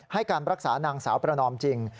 ให้การรักษานางสาวประนอมจริง